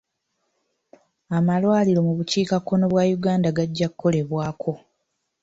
Amalwaliro mu bukiikakkono bwa Uganda gajja kukolebwako.